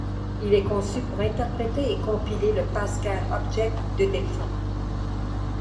Il est conçu pour interpréter et compiler le Pascal Objet de Delphi.